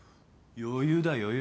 余裕だ余裕。